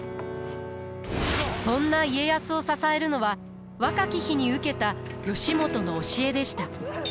そんな家康を支えるのは若き日に受けた義元の教えでした。